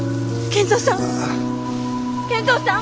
賢三さん！